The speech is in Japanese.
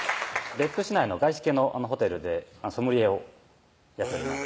別府市内の外資系のホテルでソムリエをやっております